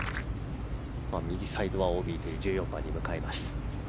右サイドはＯＢという１４番に向かいます。